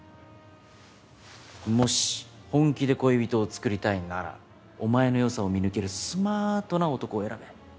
もし本気で恋人をつくりたいならお前のよさを見抜けるスマートな男を選べ。